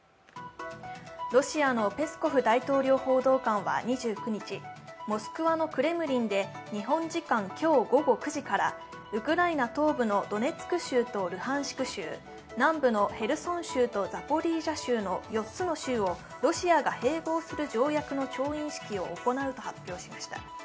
ロシアのペスコフ大統領報道官は２９日、モスクワのクレムリンで日本時間今日午後９時からウクライナ東部のドネツク州とルハンシク州、南部のヘルソン州とザポリージャ州の４つの州をロシアが併合する条約の調印式を行うと発表しました。